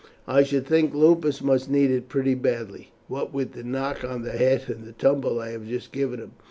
I should think Lupus must need it pretty badly, what with the knock on the head and the tumble I have just given him.